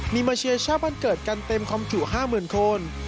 มีมาเชียร์ชาติบันเกิดกันเต็มคอมคิวห้าหมื่นคน